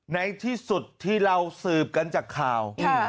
ในที่สุดที่เราสืบกันจากข่าว